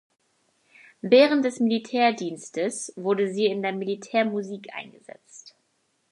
Während des Militärdienstes wurde sie in der Militärmusik eingesetzt.